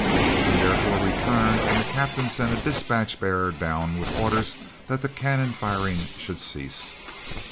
He therefore returned, and the captain sent a dispatch bearer down with orders that the cannon firing should cease.